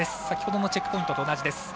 先ほどのチェックポイントと同じ。